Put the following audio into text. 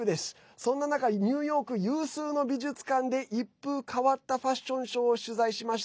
そんな中ニューヨーク有数の美術館で一風変わったファッションショーを取材しました。